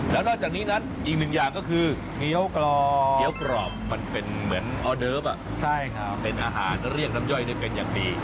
เรียกน้ำย่อยเนื้อเป็นอย่างดี